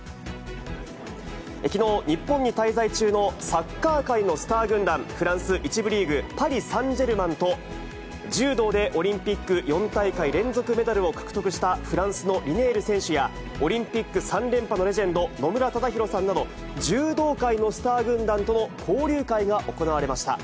きのう、日本に滞在中のサッカー界のスター軍団、フランス１部リーグ・パリサンジェルマンと、柔道でオリンピック４大会連続メダルを獲得したフランスのリネール選手や、オリンピック３連覇のレジェンド、野村忠宏さんなど、柔道界のスター軍団との交流会が行われました。